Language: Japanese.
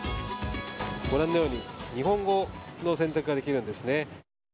ご覧のように日本語の選択ができるんですね。